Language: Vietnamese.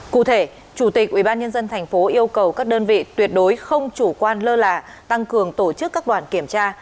cụ thể chủ tịch ubnd tp yêu cầu các đơn vị tuyệt đối không chủ quan lơ là tăng cường tổ chức các đoàn kiểm tra